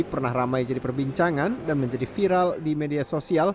pertama di bekasi